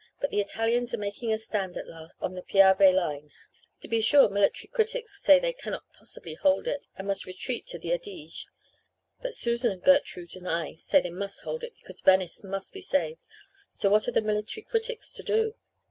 But the Italians are making a stand at last on the Piave line. To be sure military critics say they cannot possibly hold it and must retreat to the Adige. But Susan and Gertrude and I say they must hold it, because Venice must be saved, so what are the military critics to do?